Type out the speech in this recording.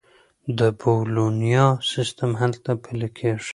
د بولونیا سیستم هلته پلي کیږي.